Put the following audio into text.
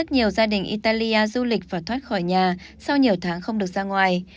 nhiều gia đình italia du lịch và thoát khỏi nhà sau nhiều tháng không được ra ngoài